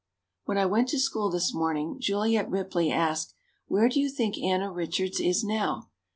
When I went to school this morning Juliet Ripley asked, "Where do you think Anna Richards is now?